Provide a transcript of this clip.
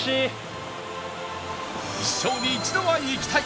一生に一度は行きたい！